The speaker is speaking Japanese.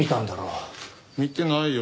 見てないよ。